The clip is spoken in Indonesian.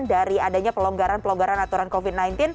dari adanya pelonggaran pelonggaran aturan covid sembilan belas